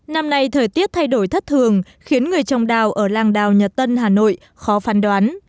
năm nay thời tiết thay đổi thất thường khiến người trồng đào ở làng đào nhật tân hà nội khó phán đoán